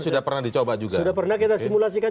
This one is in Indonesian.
sudah pernah dicoba juga sudah pernah kita simulasikan